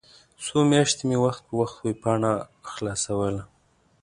څو میاشتې مې وخت په وخت ویبپاڼه خلاصوله.